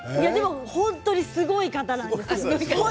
本当に、すごい方なんです。